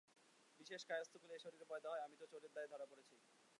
বিশেষ, কায়স্থকুলে এ শরীরের পয়দা হওয়ায়, আমি তো চোরের দায়ে ধরা পড়েছি।